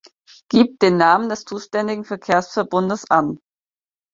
Gibt den Namen des zuständigen Verkehrsverbundes an.